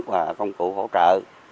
và công cụ hỗ trợ